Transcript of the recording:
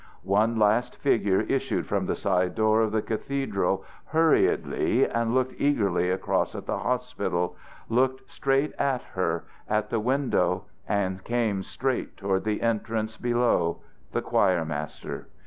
One last figure issued from the side door of the cathedral hurriedly and looked eagerly across at the hospital looked straight at her, at the window, and came straight toward the entrance below the choir master.